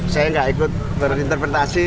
saya nggak ikut berinterpretasi